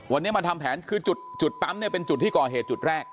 วันนี้มาทำแผนคือจุดปั๊มเนี่ยเป็นจุดที่ก่อเหตุจุดแรก